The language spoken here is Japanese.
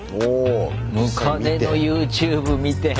ムカデのＹｏｕＴｕｂｅ見て。